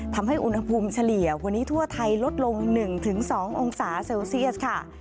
ทำให้อุณหภูมิเฉลี่ยวันนี้ทั่วไทยลดลง๑๒องศาเซลเซียสค่ะ